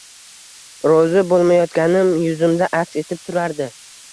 Rozi bo`lmayotganim yuzimda aks etib turardi